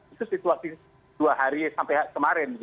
itu situasi dua hari sampai kemarin